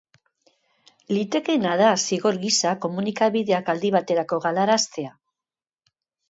Litekeena da zigor gisa komunikabideak aldi baterako galaraztea.